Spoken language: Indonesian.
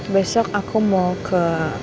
besok aku mau ke